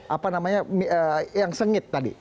apa namanya yang sengit tadi